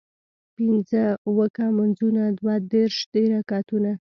پينځۀ اوکه مونځونه دوه دېرش دي رکعتونه